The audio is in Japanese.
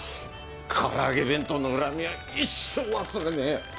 から揚げ弁当の恨みは一生忘れねえ！